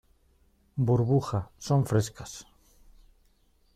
burbuja, son frescas.